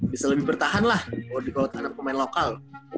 bisa lebih bertahan lah kalau di kota anak pemain lokal